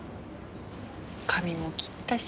髪も切ったし。